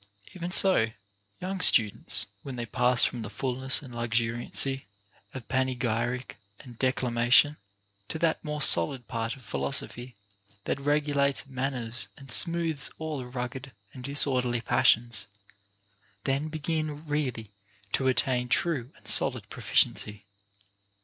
Even so, young students, when they pass from the fulness and luxuriancy of panegy ric and declamation to that more solid part of philosophy that regulates manners and smooths all rugged and disor derly passions, then begin really to attain true and solid proficiency.